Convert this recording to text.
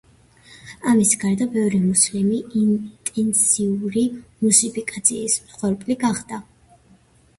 ამის გარდა, ბევრი მუსლიმი ინტენსიური რუსიფიკაციის მსხვერპლი გახდა.